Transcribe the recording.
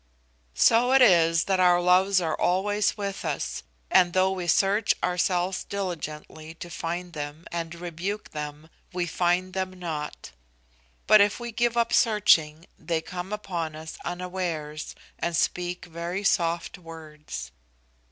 So it is that our loves are always with us, and though we search ourselves diligently to find them and rebuke them, we find them not; but if we give up searching they come upon us unawares, and speak very soft words.